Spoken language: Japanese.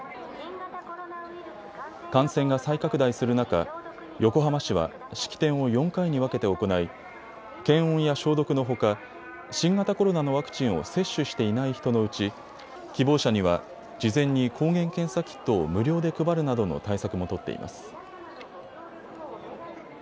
感染が再拡大する中、横浜市は式典を４回に分けて行い検温や消毒のほか新型コロナのワクチンを接種していない人のうち希望者には事前に抗原検査キットを無料で配るなどの対策も取っています。